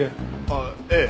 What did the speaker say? ああええ。